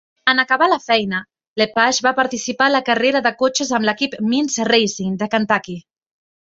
En acabar la feina, Lepage va participar a la carrera de cotxes amb l'equip Means Racing, de Kentucky.